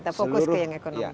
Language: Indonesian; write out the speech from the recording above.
kita fokus ke yang ekonomi